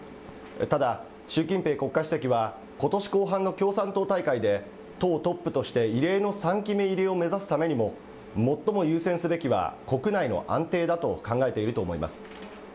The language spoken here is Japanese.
ただ、習近平国家主席はことし後半の共産党大会で、党トップとして、異例の３期目入りを目指すためにも最も優先すべきは、国内の安定だと考えていると思います。